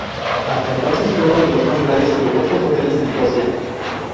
Hasta entonces, fue uno de los más grandes y lujosos hoteles de Nicosia.